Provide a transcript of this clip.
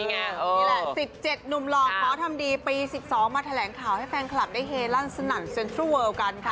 นี่แหละ๑๗หนุ่มหล่อขอทำดีปี๑๒มาแถลงข่าวให้แฟนคลับได้เฮลั่นสนั่นเซ็นทรัลเวิลกันค่ะ